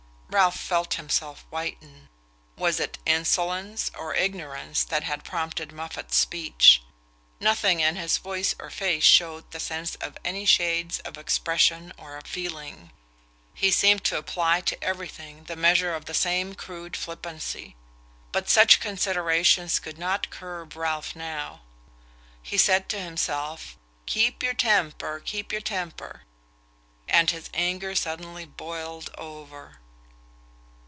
Ralph felt himself whiten. Was it insolence or ignorance that had prompted Moffatt's speech? Nothing in his voice or face showed the sense of any shades of expression or of feeling: he seemed to apply to everything the measure of the same crude flippancy. But such considerations could not curb Ralph now. He said to himself "Keep your temper keep your temper " and his anger suddenly boiled over.